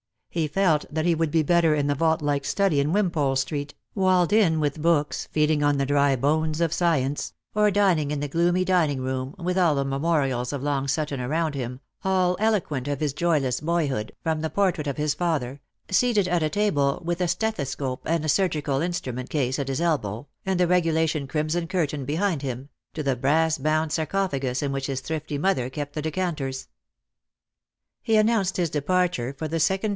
He felt that he would be better in the vault like study in Wimpole street, walled in with books, feeding on the dry bones of science, or dining in the gloomy dining room, with all the memorials of Long Sutton around him, all eloquent of his joyless boyhood, from the portrait of his father — seated it a table with a stethoscope and a surgical instrument case at his elbow, and the regulation crimson curtain behind him— to the brass bound sarcophagus in which his thrifty mother kept the decanters. He announced his departure for the secono.